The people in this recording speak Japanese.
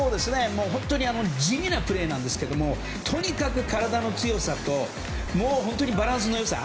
本当に地味なプレーなんですけどもとにかく体の強さとバランスの良さ。